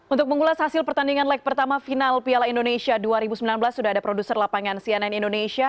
untuk mengulas hasil pertandingan leg pertama final piala indonesia dua ribu sembilan belas sudah ada produser lapangan cnn indonesia